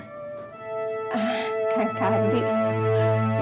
ah kakak dik